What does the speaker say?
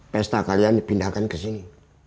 pesta kalian dipindahkan kesini